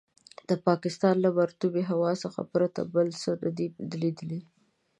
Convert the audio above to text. د پاکستان له مرطوبې هوا څخه پرته بل څه نه دي لیدلي.